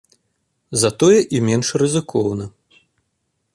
Затое і менш рызыкоўна.